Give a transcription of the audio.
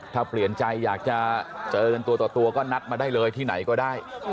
ถ้าเปลี่ยนใจอยากจะเจอกันตัวต่อตัวก็นัดมาได้เลยที่ไหนก็ได้